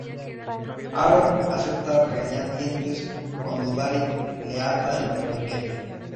Aaron acepta a regañadientes cuando Daryl le ata el torniquete.